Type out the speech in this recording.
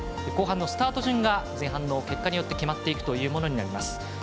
後半のスタート順が前半の結果によって決まっていくことになります。